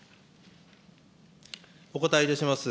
お答えいたします。